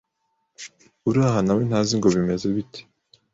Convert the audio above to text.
uri aha nawe ntazi ngo bimeze bite